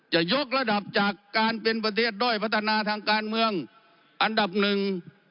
จะยกระดับจากการเป็นประเทศด้อยพัฒนาทางการเมืองอันดับหนึ่ง